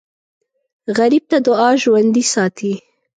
غریب ته دعا ژوندي ساتي